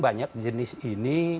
banyak jenis ini